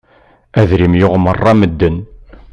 Adrim yuɣ meṛṛa medden.